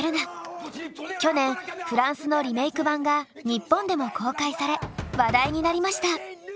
去年フランスのリメーク版が日本でも公開され話題になりました。